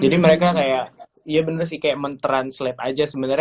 jadi mereka kayak iya bener sih kayak men translate aja sebenarnya